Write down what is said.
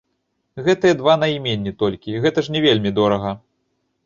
Гэтыя два найменні толькі, гэта ж не вельмі дорага.